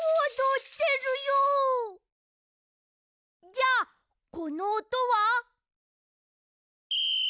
じゃあこのおとは？